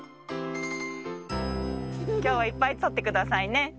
きょうはいっぱいとってくださいね。